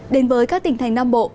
đến với các tỉnh thành nam bộ